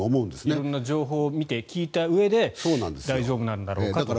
色んな情報を見て聞いたうえで大丈夫なんだろうかと。